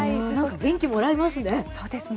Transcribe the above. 元気もらいますね。